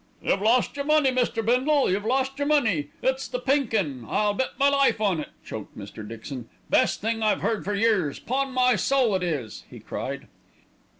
"You've lost your money, Mr. Bindle, you've lost your money; it's The Pink 'Un, I'll bet my life on it," choked Mr. Dixon. "Best thing I've heard for years, 'pon my soul it is!" he cried.